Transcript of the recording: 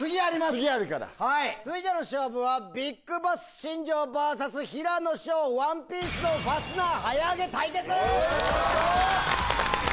続いての勝負は、ビッグボス新庄ＶＳ平野紫燿、ワンピースのファスナー早上げ対決。